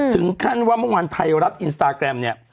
ถึงขั้นว่าเมื่อวานไทยรัฐอินสตาแกรมเนี่ย